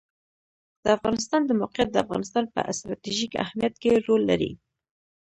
د افغانستان د موقعیت د افغانستان په ستراتیژیک اهمیت کې رول لري.